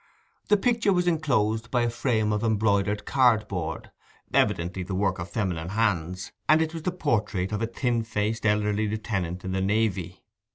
The picture was enclosed by a frame of embroidered card board—evidently the work of feminine hands—and it was the portrait of a thin faced, elderly lieutenant in the navy.